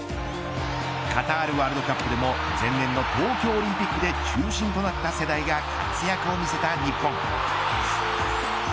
カタールワールドカップでも前年の東京オリンピックでも中心となった世代が活躍を見せた日本。